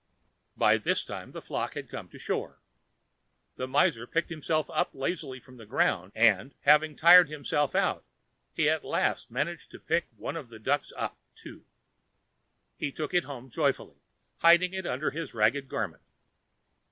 By this time the flock had come to shore. The miser picked himself up lazily from the ground, and, after tiring himself out, he at last managed to pick one of the ducks up, too. He took it home joyfully, hiding it under his ragged garment.